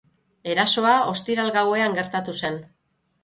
Erasoa ostiral gauean gertatu zen.